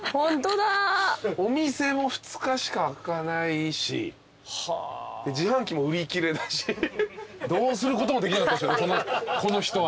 お店も２日しか開かないし自販機も売り切れだしどうすることもできなかったこの人はね。